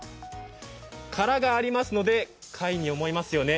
殻がありますので、貝に思いますよね。